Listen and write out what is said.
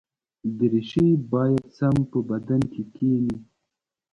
دریشي باید سم په بدن کې کېني.